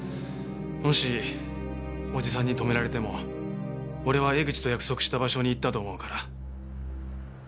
もしおじさんに止められても俺は江口と約束した場所に行ったと思うから。